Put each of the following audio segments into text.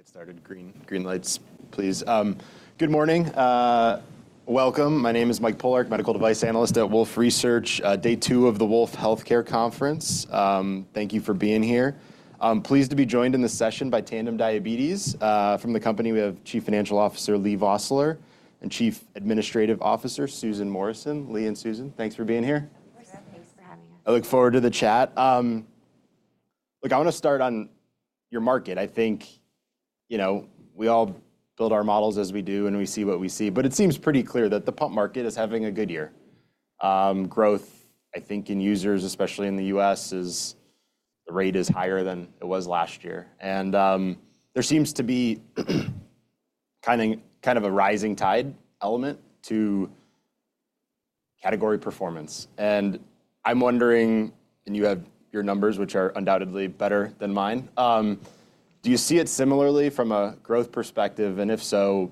I think we can get started. Green lights, please. Good morning. Welcome. My name is Mike Polark, Medical Device Analyst at Wolfe Research. Day two of the Wolfe Research Healthcare Conference. Thank you for being here. I'm pleased to be joined in the session by Tandem Diabetes. From the company, we have Chief Financial Officer Leigh Vosseller and Chief Administrative Officer Susan Morrison. Leigh and Susan, thanks for being here. Thanks for having us. I look forward to the chat. Look, I want to start on your market. I think we all build our models as we do, and we see what we see, but it seems pretty clear that the pump market is having a good year. Growth, I think, in users, especially in the U.S., the rate is higher than it was last year, and there seems to be kind of a rising tide element to category performance, and I'm wondering, and you have your numbers, which are undoubtedly better than mine, do you see it similarly from a growth perspective? And if so,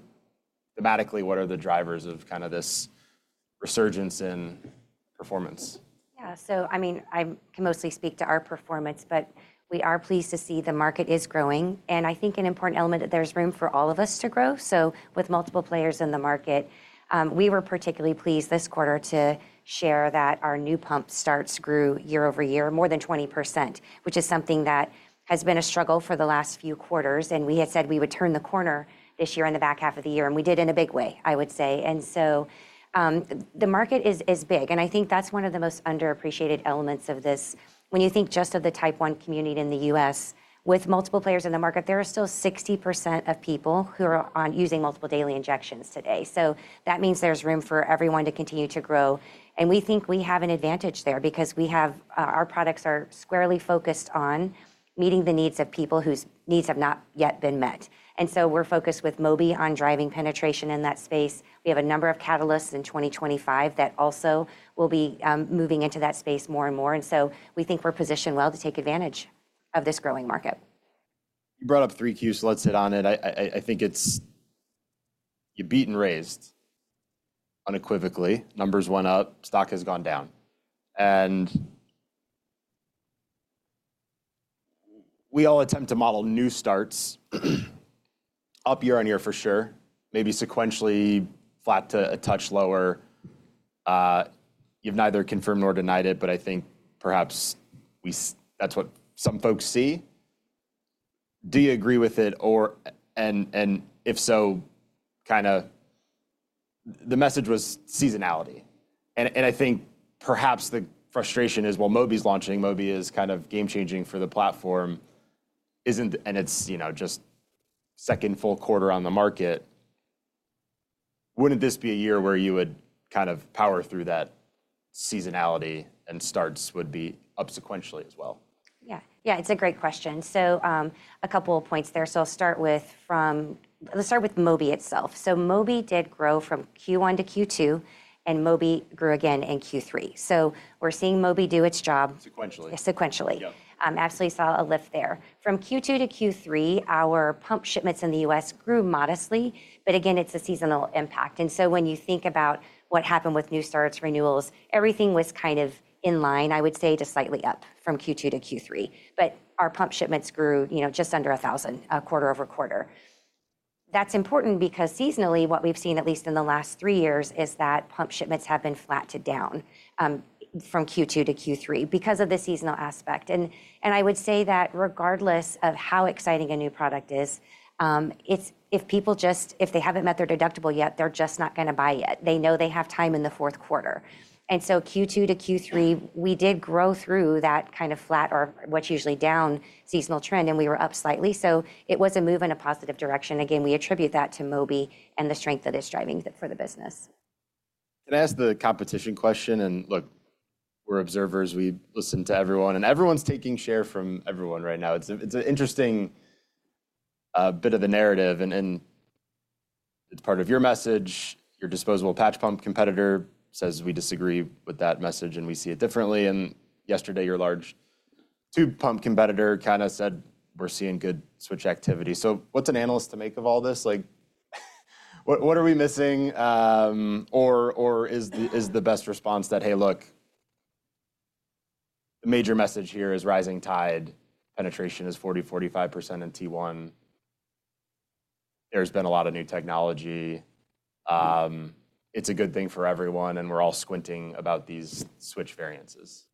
thematically, what are the drivers of kind of this resurgence in performance? Yeah. So I mean, I can mostly speak to our performance, but we are pleased to see the market is growing. And I think an important element that there's room for all of us to grow. So with multiple players in the market, we were particularly pleased this quarter to share that our new pump starts grew year over year more than 20%, which is something that has been a struggle for the last few quarters. And we had said we would turn the corner this year in the back half of the year, and we did in a big way, I would say. And so the market is big. And I think that's one of the most underappreciated elements of this. When you think just of the Type 1 community in the U.S., with multiple players in the market, there are still 60% of people who are using multiple daily injections today. So that means there's room for everyone to continue to grow. And we think we have an advantage there because our products are squarely focused on meeting the needs of people whose needs have not yet been met. And so we're focused with Mobi on driving penetration in that space. We have a number of catalysts in 2025 that also will be moving into that space more and more. And so we think we're positioned well to take advantage of this growing market. You brought up three Qs, so let's hit on it. I think it's you beat and raised unequivocally. Numbers went up, stock has gone down. And we all attempt to model new starts up year on year for sure, maybe sequentially flat to a touch lower. You've neither confirmed nor denied it, but I think perhaps that's what some folks see. Do you agree with it? And if so, kind of the message was seasonality. And I think perhaps the frustration is, well, Mobi's launching, Mobi is kind of game changing for the platform, and it's just second full quarter on the market. Wouldn't this be a year where you would kind of power through that seasonality and starts would be up sequentially as well? Yeah. Yeah, it's a great question. So a couple of points there. So I'll start with Mobi itself. So Mobi did grow from Q1 to Q2, and Mobi grew again in Q3. So we're seeing Mobi do its job. Sequentially. Sequentially. Absolutely saw a lift there. From Q2 to Q3, our pump shipments in the U.S. grew modestly, but again, it's a seasonal impact. And so when you think about what happened with new starts, renewals, everything was kind of in line, I would say, just slightly up from Q2 to Q3. But our pump shipments grew just under 1,000 a quarter over quarter. That's important because seasonally, what we've seen, at least in the last three years, is that pump shipments have been flat to down from Q2 to Q3 because of the seasonal aspect. And I would say that regardless of how exciting a new product is, if people just, if they haven't met their deductible yet, they're just not going to buy it. They know they have time in the fourth quarter. Q2 to Q3, we did grow through that kind of flat or what's usually down seasonal trend, and we were up slightly. It was a move in a positive direction. Again, we attribute that to Mobi and the strength that is driving for the business. Can I ask the competition question? And look, we're observers. We listen to everyone. And everyone's taking share from everyone right now. It's an interesting bit of a narrative. And it's part of your message. Your disposable patch pump competitor says we disagree with that message, and we see it differently. And yesterday, your large tube pump competitor kind of said we're seeing good switch activity. So what's an analyst to make of all this? What are we missing? Or is the best response that, hey, look, the major message here is rising tide penetration is 40%-45% in T1. There's been a lot of new technology. It's a good thing for everyone, and we're all squinting about these switch variances.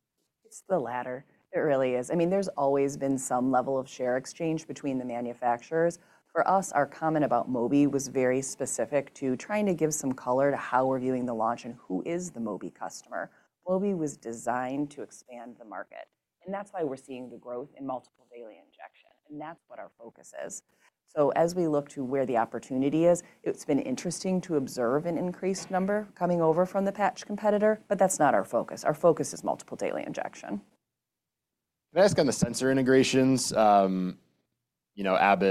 It's the latter. It really is. I mean, there's always been some level of share exchange between the manufacturers. For us, our comment about Mobi was very specific to trying to give some color to how we're viewing the launch and who is the Mobi customer. Mobi was designed to expand the market. And that's why we're seeing the growth in multiple daily injection. And that's what our focus is. So as we look to where the opportunity is, it's been interesting to observe an increased number coming over from the patch competitor, but that's not our focus. Our focus is multiple daily injection. Can I ask on the sensor integrations? Abbott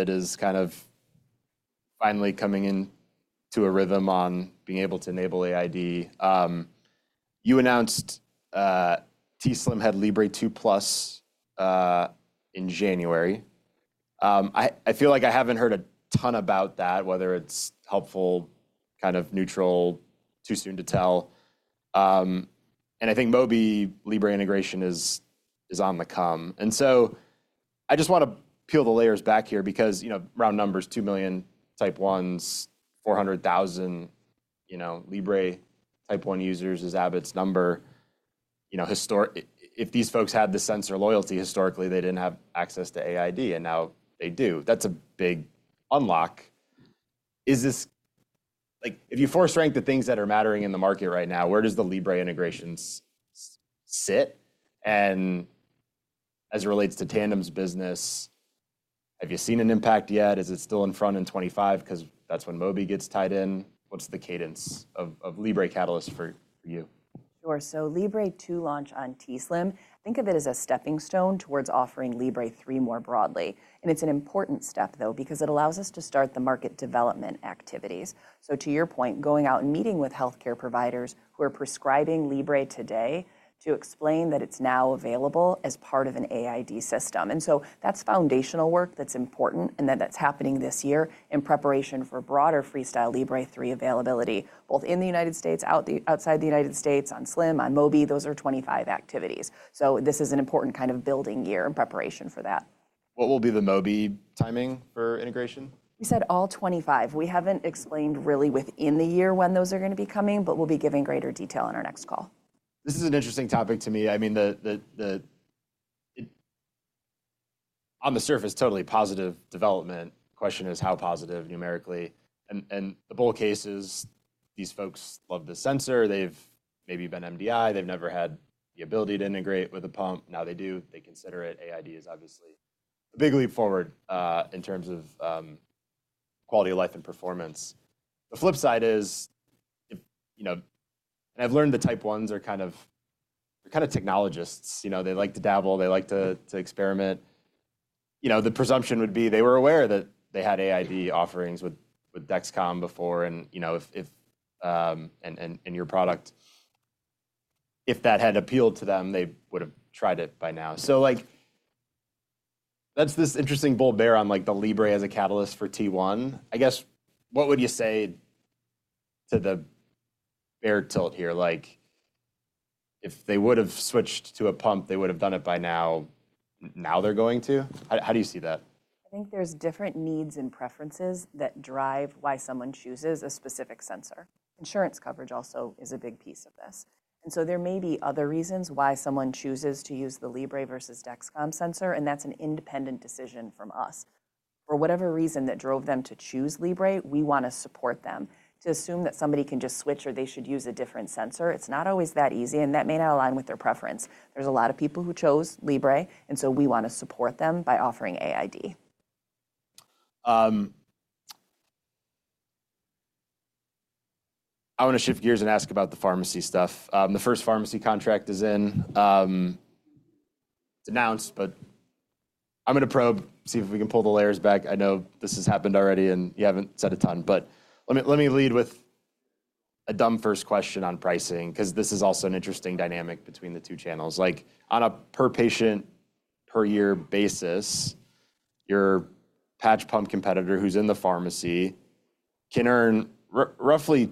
is kind of finally coming into a rhythm on being able to enable AID. You announced t:slim had Libre 2+ in January. I feel like I haven't heard a ton about that, whether it's helpful, kind of neutral, too soon to tell. And I think Mobi Libre integration is on the come. And so I just want to peel the layers back here because round numbers, two million Type 1s, 400,000 Libre Type 1 users is Abbott's number. If these folks had the sensor loyalty historically, they didn't have access to AID, and now they do. That's a big unlock. If you force rank the things that are mattering in the market right now, where does the Libre integrations sit? And as it relates to Tandem's business, have you seen an impact yet? Is it still in front in 2025 because that's when Mobi gets tied in? What's the cadence of Libre Catalyst for you? Sure. Libre 2 launch on t:slim, think of it as a stepping stone towards offering Libre 3 more broadly. It is an important step, though, because it allows us to start the market development activities. To your point, going out and meeting with healthcare providers who are prescribing Libre today to explain that it is now available as part of an AID system. That is foundational work that is important and that is happening this year in preparation for broader FreeStyle Libre 3 availability, both in the United States, outside the United States on t:slim, on Mobi. Those are 2025 activities. This is an important kind of building year in preparation for that. What will be the Mobi timing for integration? We said all 25. We haven't explained really within the year when those are going to be coming, but we'll be giving greater detail in our next call. This is an interesting topic to me. I mean, on the surface, totally positive development. The question is how positive numerically. And the bull case is these folks love the sensor. They've maybe been MDI. They've never had the ability to integrate with a pump. Now they do. They consider it. AID is obviously a big leap forward in terms of quality of life and performance. The flip side is, and I've learned the Type 1s are kind of technologists. They like to dabble. They like to experiment. The presumption would be they were aware that they had AID offerings with Dexcom before. And in your product, if that had appealed to them, they would have tried it by now. So that's this interesting bull bear on the Libre as a catalyst for T1. I guess, what would you say to the bear tilt here? If they would have switched to a pump, they would have done it by now. Now they're going to? How do you see that? I think there's different needs and preferences that drive why someone chooses a specific sensor. Insurance coverage also is a big piece of this. And so there may be other reasons why someone chooses to use the Libre versus Dexcom sensor. And that's an independent decision from us. For whatever reason that drove them to choose Libre, we want to support them. To assume that somebody can just switch or they should use a different sensor, it's not always that easy. And that may not align with their preference. There's a lot of people who chose Libre. And so we want to support them by offering AID. I want to shift gears and ask about the pharmacy stuff. The first pharmacy contract is in. It's announced, but I'm going to probe, see if we can pull the layers back. I know this has happened already, and you haven't said a ton. But let me lead with a dumb first question on pricing because this is also an interesting dynamic between the two channels. On a per patient, per year basis, your patch pump competitor who's in the pharmacy can earn roughly,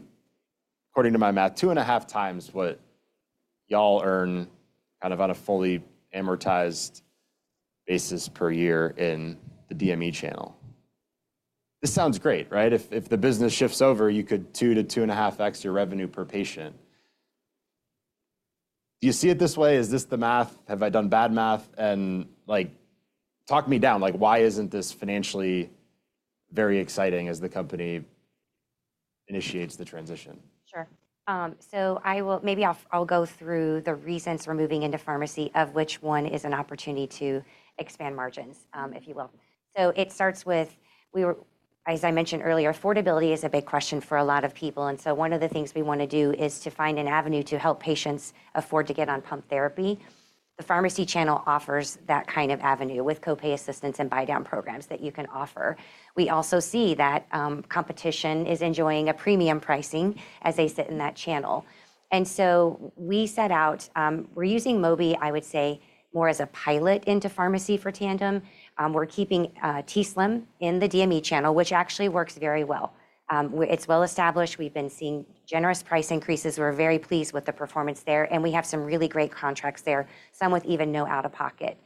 according to my math, two and a half times what y'all earn kind of on a fully amortized basis per year in the DME channel. This sounds great, right? If the business shifts over, you could two to two and a half X your revenue per patient. Do you see it this way? Is this the math? Have I done bad math, and talk me down. Why isn't this financially very exciting as the company initiates the transition? Sure. So maybe I'll go through the reasons for moving into pharmacy of which one is an opportunity to expand margins, if you will. So it starts with, as I mentioned earlier, affordability is a big question for a lot of people. And so one of the things we want to do is to find an avenue to help patients afford to get on pump therapy. The pharmacy channel offers that kind of avenue with copay assistance and buy-down programs that you can offer. We also see that competition is enjoying a premium pricing as they sit in that channel. And so we set out, we're using Mobi, I would say, more as a pilot into pharmacy for Tandem. We're keeping t:slim in the DME channel, which actually works very well. It's well established. We've been seeing generous price increases. We're very pleased with the performance there. We have some really great contracts there, some with even no out-of-pocket.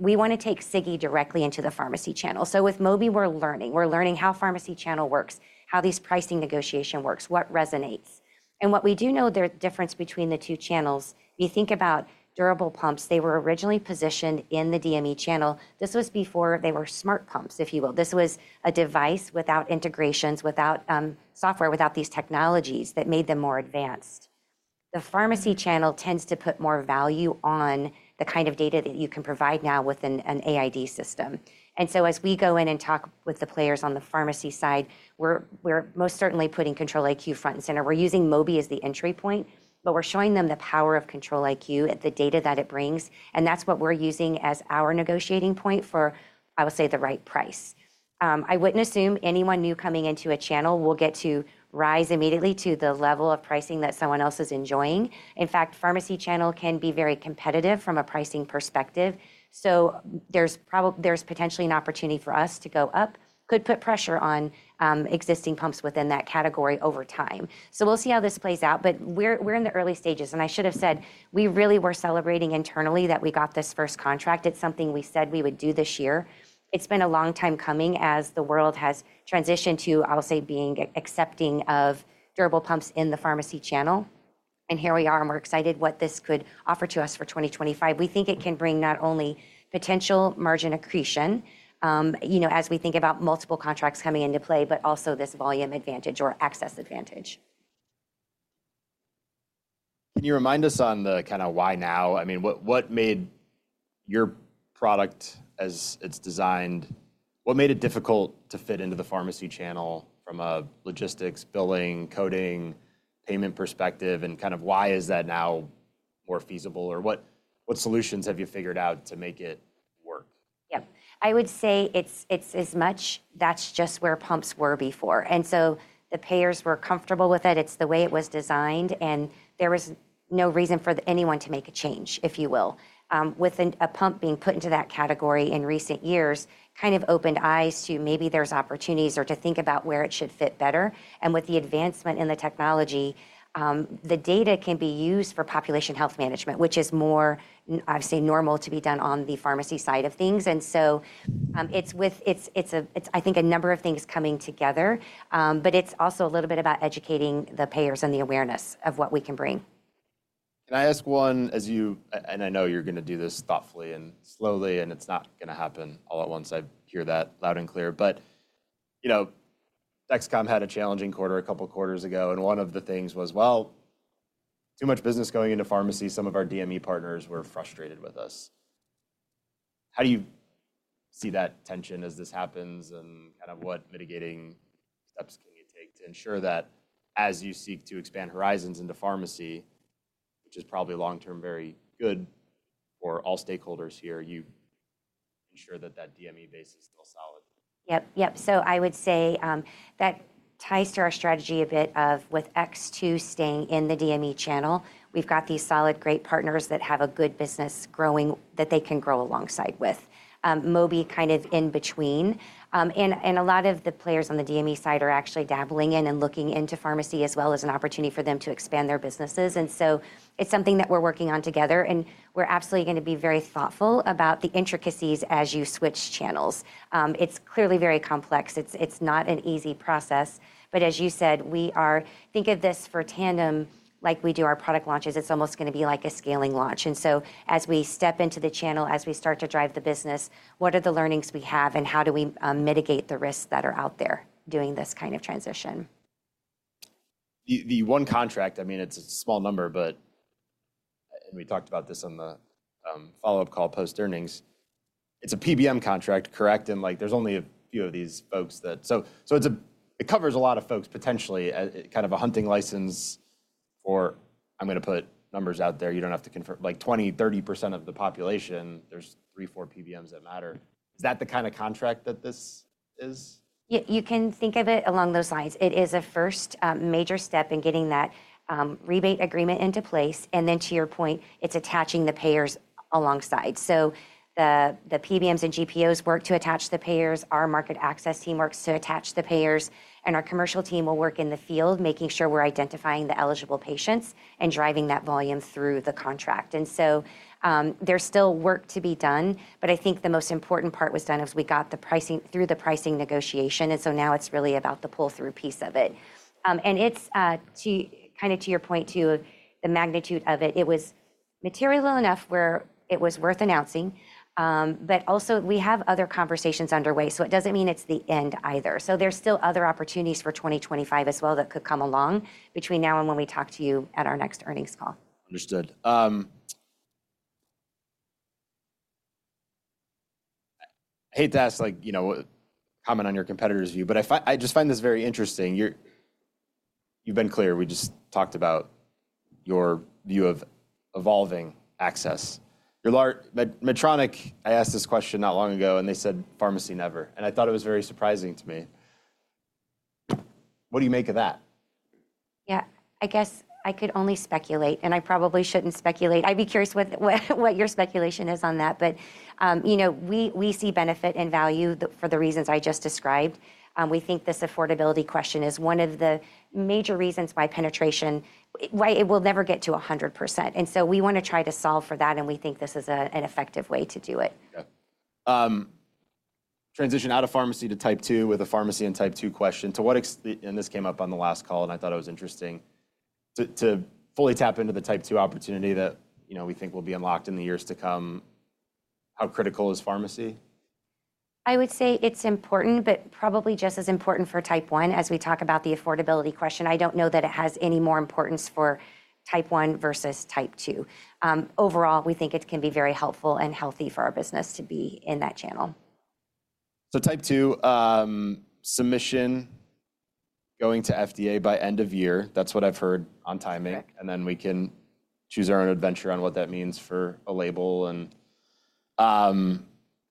We want to take Sigi directly into the pharmacy channel. With Mobi, we're learning. We're learning how pharmacy channel works, how these pricing negotiation works, what resonates. What we do know the difference between the two channels, you think about durable pumps. They were originally positioned in the DME channel. This was before they were smart pumps, if you will. This was a device without integrations, without software, without these technologies that made them more advanced. The pharmacy channel tends to put more value on the kind of data that you can provide now with an AID system. As we go in and talk with the players on the pharmacy side, we're most certainly putting Control-IQ front and center. We're using Mobi as the entry point, but we're showing them the power of Control-IQ and the data that it brings, and that's what we're using as our negotiating point for, I would say, the right price. I wouldn't assume anyone new coming into a channel will get to rise immediately to the level of pricing that someone else is enjoying. In fact, pharmacy channel can be very competitive from a pricing perspective, so there's potentially an opportunity for us to go up, could put pressure on existing pumps within that category over time. So we'll see how this plays out, but we're in the early stages, and I should have said we really were celebrating internally that we got this first contract. It's something we said we would do this year. It's been a long time coming as the world has transitioned to, I'll say, being accepting of durable pumps in the pharmacy channel, and here we are, and we're excited what this could offer to us for 2025. We think it can bring not only potential margin accretion as we think about multiple contracts coming into play, but also this volume advantage or access advantage. Can you remind us on the kind of why now? I mean, what made your product as it's designed, what made it difficult to fit into the pharmacy channel from a logistics, billing, coding, payment perspective? And kind of why is that now more feasible? Or what solutions have you figured out to make it work? Yeah. I would say it's as much that's just where pumps were before. And so the payers were comfortable with it. It's the way it was designed. And there was no reason for anyone to make a change, if you will. With a pump being put into that category in recent years, kind of opened eyes to maybe there's opportunities or to think about where it should fit better. And with the advancement in the technology, the data can be used for population health management, which is more, I would say, normal to be done on the pharmacy side of things. And so it's, I think, a number of things coming together. But it's also a little bit about educating the payers and the awareness of what we can bring. Can I ask one? And I know you're going to do this thoughtfully and slowly, and it's not going to happen all at once. I hear that loud and clear. But Dexcom had a challenging quarter a couple of quarters ago. And one of the things was, well, too much business going into pharmacy. Some of our DME partners were frustrated with us. How do you see that tension as this happens? And kind of what mitigating steps can you take to ensure that as you seek to expand horizons into pharmacy, which is probably long-term very good for all stakeholders here, you ensure that that DME base is still solid? Yep, yep. So I would say that ties to our strategy a bit of with X2 staying in the DME channel. We've got these solid, great partners that have a good business growing that they can grow alongside with. Mobi kind of in between. A lot of the players on the DME side are actually dabbling in and looking into pharmacy as well as an opportunity for them to expand their businesses. So it's something that we're working on together. We're absolutely going to be very thoughtful about the intricacies as you switch channels. It's clearly very complex. It's not an easy process, but as you said, we think of this for Tandem like we do our product launches. It's almost going to be like a scaling launch. And so as we step into the channel, as we start to drive the business, what are the learnings we have and how do we mitigate the risks that are out there doing this kind of transition? The one contract, I mean, it's a small number, but we talked about this on the follow-up call post-earnings. It's a PBM contract, correct? And there's only a few of these folks that, so it covers a lot of folks potentially, kind of a hunting license for, I'm going to put numbers out there, you don't have to confirm, like 20%-30% of the population, there's three, four PBMs that matter. Is that the kind of contract that this is? You can think of it along those lines. It is a first major step in getting that rebate agreement into place. And then to your point, it's attaching the payers alongside. So the PBMs and GPOs work to attach the payers. Our market access team works to attach the payers. And our commercial team will work in the field making sure we're identifying the eligible patients and driving that volume through the contract. And so there's still work to be done. But I think the most important part was done as we got through the pricing negotiation. And so now it's really about the pull-through piece of it. And kind of to your point too, the magnitude of it, it was material enough where it was worth announcing. But also, we have other conversations underway. So it doesn't mean it's the end either. There's still other opportunities for 2025 as well that could come along between now and when we talk to you at our next earnings call. Understood. I hate to ask for comment on your competitor's view, but I just find this very interesting. You've been clear. We just talked about your view of evolving access. Medtronic, I asked this question not long ago, and they said pharmacy never, and I thought it was very surprising to me. What do you make of that? Yeah, I guess I could only speculate. And I probably shouldn't speculate. I'd be curious what your speculation is on that. But we see benefit and value for the reasons I just described. We think this affordability question is one of the major reasons why penetration, why it will never get to 100%. And so we want to try to solve for that. And we think this is an effective way to do it. Yeah. Transition out of pharmacy to Type 2 with a pharmacy and Type 2 question. And this came up on the last call, and I thought it was interesting to fully tap into the Type 2 opportunity that we think will be unlocked in the years to come. How critical is pharmacy? I would say it's important, but probably just as important for Type 1 as we talk about the affordability question. I don't know that it has any more importance for Type 1 versus Type 2. Overall, we think it can be very helpful and healthy for our business to be in that channel. So, Type 2 submission going to FDA by end of year. That's what I've heard on timing. And then we can choose our own adventure on what that means for a label. And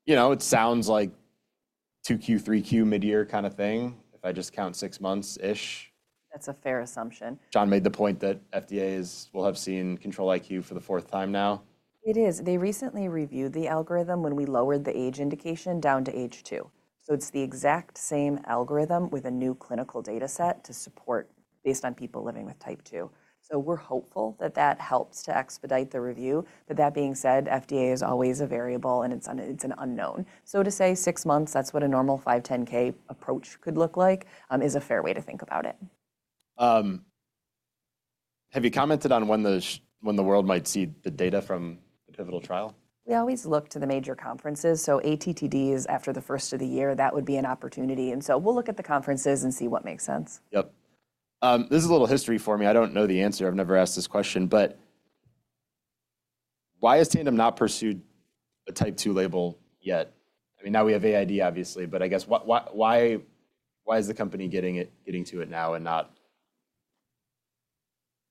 it sounds like 2Q, 3Q, mid-year kind of thing if I just count six months-ish. That's a fair assumption. John made the point that FDA will have seen Control-IQ for the fourth time now. It is. They recently reviewed the algorithm when we lowered the age indication down to age two. So it's the exact same algorithm with a new clinical data set to support based on people living with Type 2. So we're hopeful that that helps to expedite the review. But that being said, FDA is always a variable, and it's an unknown. So to say six months, that's what a normal 510(k) approach could look like, is a fair way to think about it. Have you commented on when the world might see the data from the pivotal trial? We always look to the major conferences. So ATTD is after the first of the year. That would be an opportunity. And so we'll look at the conferences and see what makes sense. Yep. This is a little history for me. I don't know the answer. I've never asked this question. But why has Tandem not pursued a Type 2 label yet? I mean, now we have AID, obviously. But I guess why is the company getting to it now and not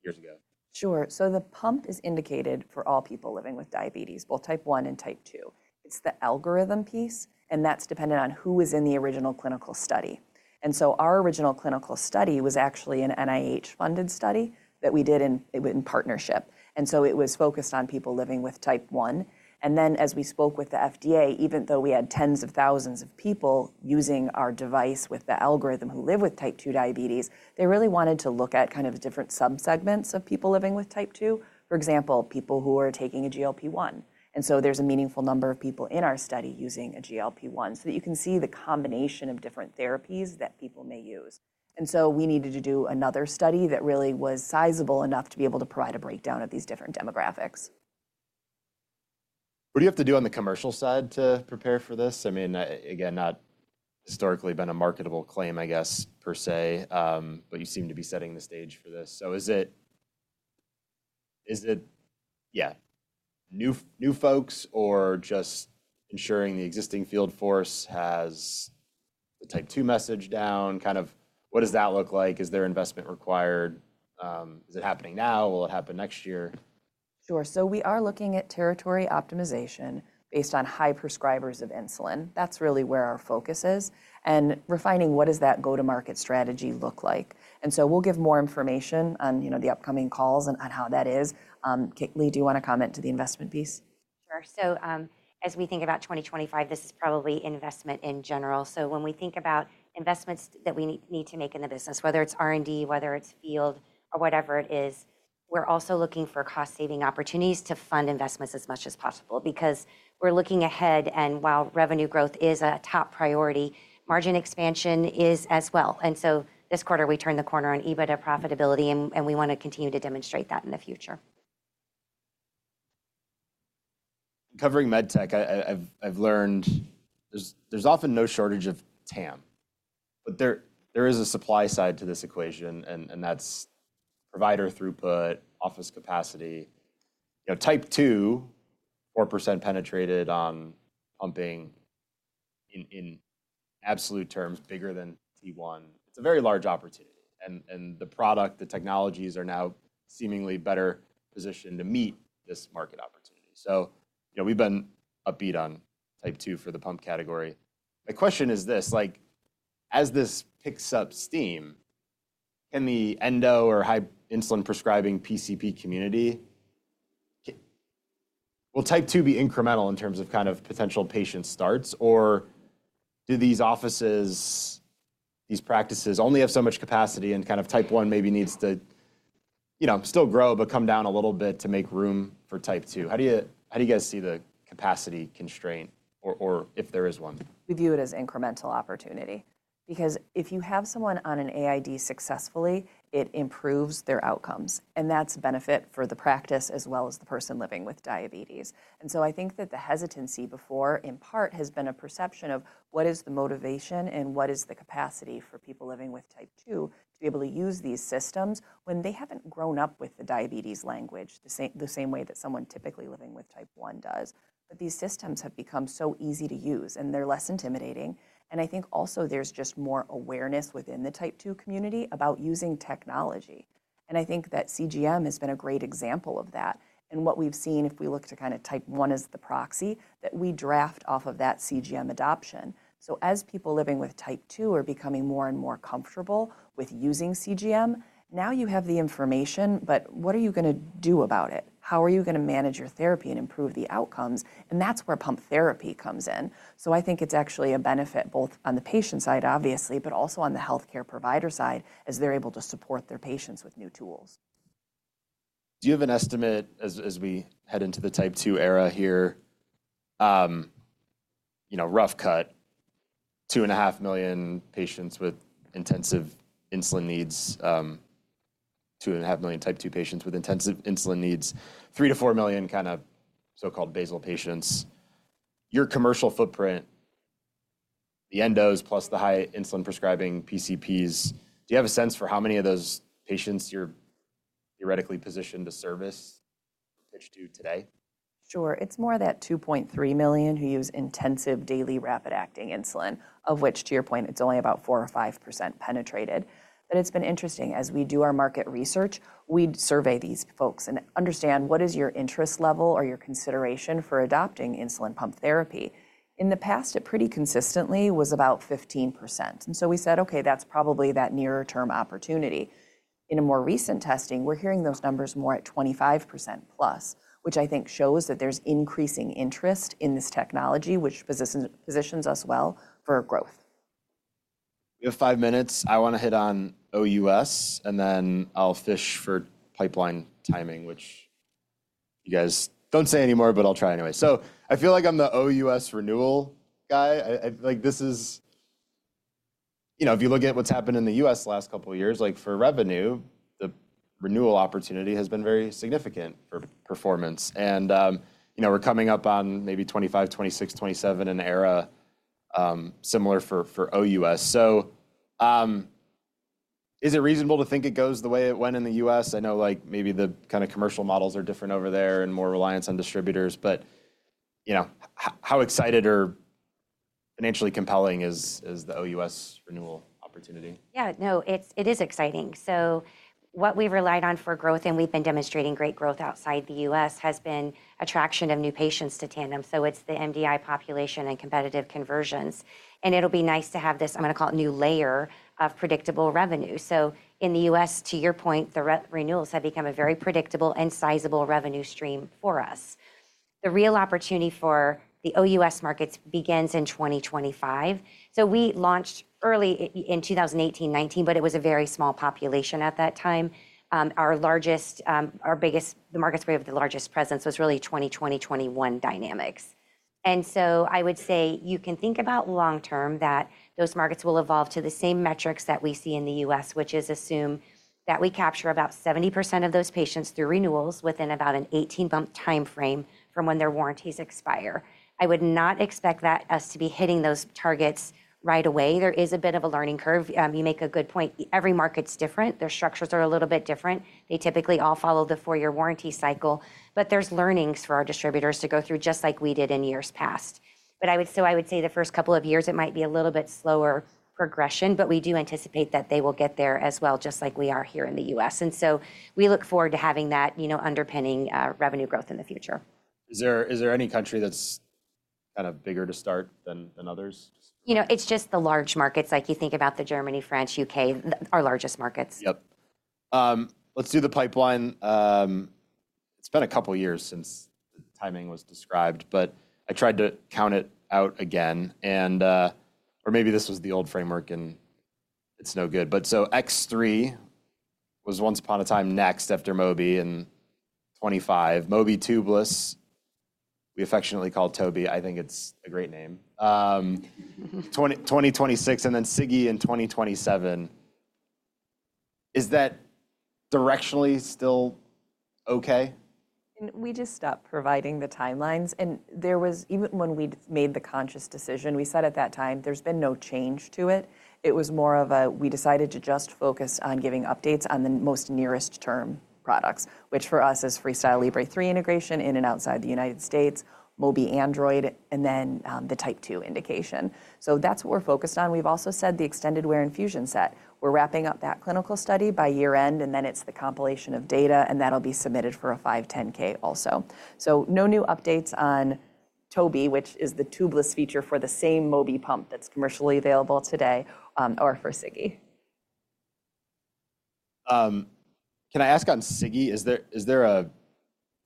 years ago? Sure. So the pump is indicated for all people living with diabetes, both Type 1 and Type 2. It's the algorithm piece. And that's dependent on who was in the original clinical study. And so our original clinical study was actually an NIH-funded study that we did in partnership. And so it was focused on people living with Type 1. And then as we spoke with the FDA, even though we had tens of thousands of people using our device with the algorithm who live with Type 2 diabetes, they really wanted to look at kind of different subsegments of people living with Type 2, for example, people who are taking a GLP-1. And so there's a meaningful number of people in our study using a GLP-1 so that you can see the combination of different therapies that people may use. We needed to do another study that really was sizable enough to be able to provide a breakdown of these different demographics. What do you have to do on the commercial side to prepare for this? I mean, again, not historically been a marketable claim, I guess, per se, but you seem to be setting the stage for this. So is it, yeah, new folks or just ensuring the existing field force has the type two message down? Kind of what does that look like? Is there investment required? Is it happening now? Will it happen next year? Sure. So we are looking at territory optimization based on high prescribers of insulin. That's really where our focus is and refining what does that go-to-market strategy look like. And so we'll give more information on the upcoming calls and how that is. Leigh Vosseller, do you want to comment to the investment piece? Sure, so as we think about 2025, this is probably investment in general, so when we think about investments that we need to make in the business, whether it's R&D, whether it's field, or whatever it is, we're also looking for cost-saving opportunities to fund investments as much as possible because we're looking ahead, and while revenue growth is a top priority, margin expansion is as well, and so this quarter, we turned the corner on EBITDA profitability, and we want to continue to demonstrate that in the future. Covering med tech, I've learned there's often no shortage of TAM. But there is a supply side to this equation. And that's provider throughput, office capacity. Type 2, 4% penetrated on pumping in absolute terms bigger than Type 1. It's a very large opportunity. And the product, the technologies are now seemingly better positioned to meet this market opportunity. So we've been upbeat on Type 2 for the pump category. My question is this. As this picks up steam, can the endo or high insulin prescribing PCP community will Type 2 be incremental in terms of kind of potential patient starts? Or do these offices, these practices only have so much capacity and kind of Type 1 maybe needs to still grow but come down a little bit to make room for Type 2? How do you guys see the capacity constraint or if there is one? We view it as incremental opportunity because if you have someone on an AID successfully, it improves their outcomes, and that's a benefit for the practice as well as the person living with diabetes, and so I think that the hesitancy before in part has been a perception of what is the motivation and what is the capacity for people living with type two to be able to use these systems when they haven't grown up with the diabetes language the same way that someone typically living with type one does, but these systems have become so easy to use, and they're less intimidating, and I think also there's just more awareness within the type two community about using technology, and I think that CGM has been a great example of that. What we've seen if we look to kind of Type 1 as the proxy that we draft off of that CGM adoption. So as people living with Type 2 are becoming more and more comfortable with using CGM, now you have the information. But what are you going to do about it? How are you going to manage your therapy and improve the outcomes? And that's where pump therapy comes in. So I think it's actually a benefit both on the patient side, obviously, but also on the healthcare provider side as they're able to support their patients with new tools. Do you have an estimate as we head into the Type 2 era here? Rough cut, two and a half million patients with intensive insulin needs, two and a half million Type 2 patients with intensive insulin needs, three to four million kind of so-called basal patients. Your commercial footprint, the endos plus the high insulin prescribing PCPs, do you have a sense for how many of those patients you're theoretically positioned to service or pitch to today? Sure. It's more than 2.3 million who use intensive daily rapid-acting insulin, of which to your point, it's only about 4% or 5% penetrated. But it's been interesting as we do our market research, we survey these folks and understand what is your interest level or your consideration for adopting insulin pump therapy. In the past, it pretty consistently was about 15%. And so we said, OK, that's probably that nearer-term opportunity. In more recent testing, we're hearing those numbers more at 25% plus, which I think shows that there's increasing interest in this technology, which positions us well for growth. We have five minutes. I want to hit on OUS. And then I'll fish for pipeline timing, which you guys don't say anymore, but I'll try anyway. So I feel like I'm the OUS renewal guy. I feel like this is if you look at what's happened in the U.S. the last couple of years, for revenue, the renewal opportunity has been very significant for performance. And we're coming up on maybe 2025, 2026, 2027 in an era similar for OUS. So is it reasonable to think it goes the way it went in the U.S.? I know maybe the kind of commercial models are different over there and more reliance on distributors. But how excited or financially compelling is the OUS renewal opportunity? Yeah, no, it is exciting. So what we've relied on for growth, and we've been demonstrating great growth outside the U.S., has been attraction of new patients to Tandem. So it's the MDI population and competitive conversions. And it'll be nice to have this, I'm going to call it, new layer of predictable revenue. So in the U.S., to your point, the renewals have become a very predictable and sizable revenue stream for us. The real opportunity for the OUS markets begins in 2025. So we launched early in 2018, 2019, but it was a very small population at that time. Our biggest markets where we have the largest presence was really 2020, 2021 dynamics. And so I would say you can think about long-term that those markets will evolve to the same metrics that we see in the U.S., which is assume that we capture about 70% of those patients through renewals within about an 18-month time frame from when their warranties expire. I would not expect us to be hitting those targets right away. There is a bit of a learning curve. You make a good point. Every market's different. Their structures are a little bit different. They typically all follow the four-year warranty cycle. But there's learnings for our distributors to go through just like we did in years past. But I would say the first couple of years, it might be a little bit slower progression. But we do anticipate that they will get there as well, just like we are here in the U.S. We look forward to having that underpinning revenue growth in the future. Is there any country that's kind of bigger to start than others? It's just the large markets. Like you think about Germany, France, UK, our largest markets. Yep. Let's do the pipeline. It's been a couple of years since the timing was described. But I tried to count it out again. Or maybe this was the old framework, and it's no good. But so X3 was once upon a time next after Mobi in 2025. Mobi Tubeless, we affectionately call Tobi. I think it's a great name. 2026, and then Sigi in 2027. Is that directionally still OK? We just stopped providing the timelines, and even when we made the conscious decision, we said at that time, there's been no change to it. It was more of a we decided to just focus on giving updates on the most nearest-term products, which for us is FreeStyle Libre 3 integration in and outside the United States, Mobi Android, and then the Type 2 indication, so that's what we're focused on. We've also said the extended wear infusion set, we're wrapping up that clinical study by year-end, and then it's the compilation of data, and that'll be submitted for a 510(k) also, so no new updates on Tobi, which is the tubeless feature for the same Mobi pump that's commercially available today or for Sigi. Can I ask on Sigi? Is there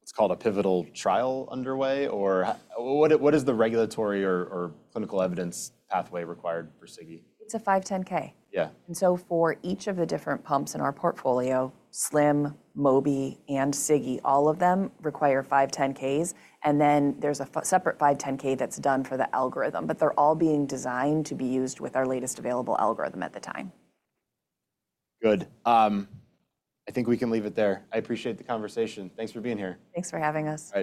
what's called a pivotal trial underway? Or what is the regulatory or clinical evidence pathway required for Sigi? It's a 510(k). Yeah. And so for each of the different pumps in our portfolio, t:slim X2, Mobi, and Sigi, all of them require 510(k)s. And then there's a separate 510(k) that's done for the algorithm. But they're all being designed to be used with our latest available algorithm at the time. Good. I think we can leave it there. I appreciate the conversation. Thanks for being here. Thanks for having us. All right.